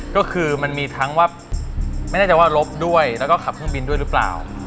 ก็คือมันมีทั้งว่าไม่แน่ใจว่าลบด้วยแล้วก็ขับเครื่องบินด้วยหรือเปล่า